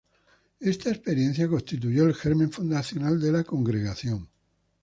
Esta experiencia constituyó el germen fundacional de la Congregación.